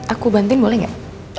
aku bantuin boleh gak